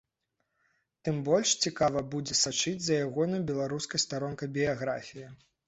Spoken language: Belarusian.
Тым больш цікава будзе сачыць за ягонай беларускай старонкай біяграфіі.